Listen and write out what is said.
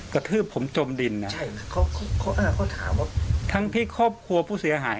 คือผมจมดินทั้งพี่ครอบครัวผู้เสียหาย